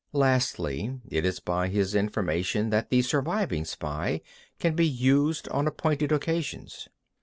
24. Lastly, it is by his information that the surviving spy can be used on appointed occasions.